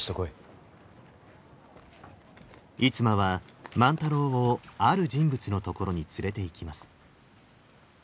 逸馬は万太郎をある人物のところに連れていきます。